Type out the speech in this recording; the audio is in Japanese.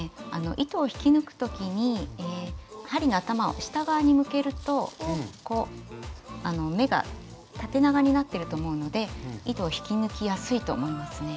糸を引き抜く時に針の頭を下側に向けると目が縦長になってると思うので糸を引き抜きやすいと思いますね。